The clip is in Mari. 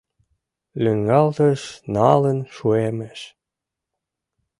Лӱҥгалташ налын шуэмеш.